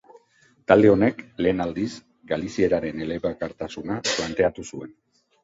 Talde honek lehen aldiz galizieraren elebakartasuna planteatu zuen.